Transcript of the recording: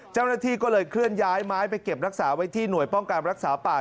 เจ้าหน้าที่ก็เลยเคลื่อนย้ายไม้ไปเก็บรักษาไว้ที่หน่วยป้องกันรักษาป่า